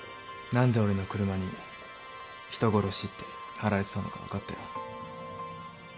んでおれの車に「人殺し」って貼られてたのか分かったよ